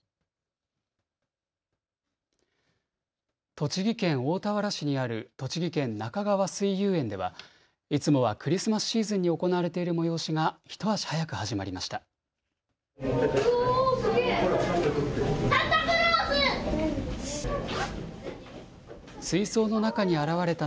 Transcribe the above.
栃木県大田原市にある栃木県なかがわ水遊園ではいつもはクリスマスシーズンに行われている催しが一足早く始まりました。